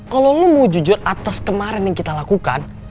kalo lo mau jujur atas kemaren yang kita lakukan